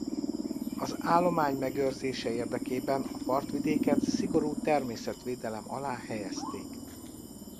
Az állomány megőrzése érdekében a partvidéket szigorú természetvédelem alá helyezték.